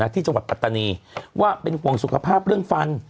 ที่จังหวัดปัตตานีว่าเป็นห่วงสุขภาพเรื่องฟัน